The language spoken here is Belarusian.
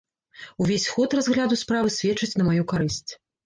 Увесь ход разгляду справы сведчыць на маю карысць.